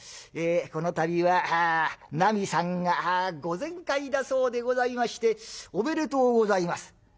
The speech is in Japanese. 「この度はなみさんがご全快だそうでございましておめでとうございます」。